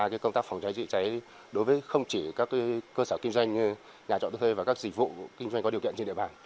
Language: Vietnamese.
đảm bảo công tác phòng cháy chữa cháy đối với không chỉ các cơ sở kinh doanh như nhà trọ tư thuê và các dịch vụ kinh doanh có điều kiện trên địa bàn